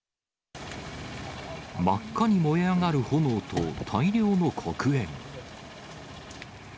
真っ赤に燃え上がる炎と大量の黒煙。